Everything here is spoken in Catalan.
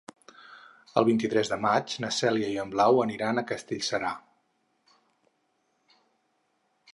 El vint-i-tres de maig na Cèlia i na Blau aniran a Castellserà.